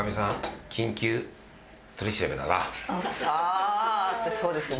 ああー！ってそうでよね。